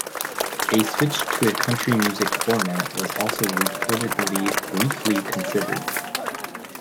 A switch to a country music format was also reportedly briefly considered.